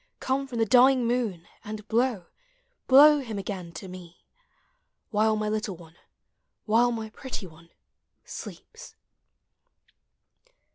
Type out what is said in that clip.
Come from the dying moon, and blow, Hlow him again to me; While my little one, while my pretty one, sleeps.